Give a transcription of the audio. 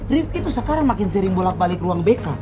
rifki tuh sekarang makin sering bolak balik ruang bk